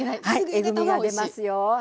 えぐみが出ますよ。